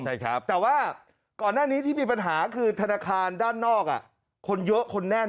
ใช่ครับแต่ว่าก่อนหน้านี้ที่มีปัญหาคือธนาคารด้านนอกคนเยอะคนแน่น